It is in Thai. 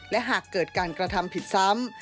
และหากเกิดการกระทำผิดซ้ำ